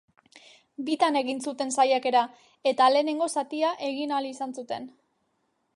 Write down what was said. Bitan egin zuten saiakera, eta lehenengo zatia egin ahal izan zuten.